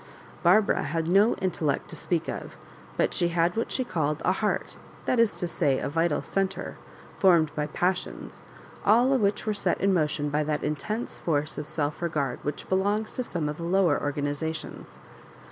Barbara had no intellect to speak of, but she had what she called a heart — that is to say, a vital centre, formed by pas sions, all of which were set in motion by that intense force of self regard which belongs to some of the lower organisations.